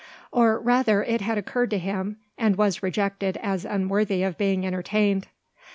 Or rather it had occurred to him, and was rejected as unworthy of being entertained.